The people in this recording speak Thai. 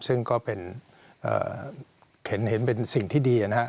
ซึ่งก็เป็นเห็นเป็นสิ่งที่ดีนะครับ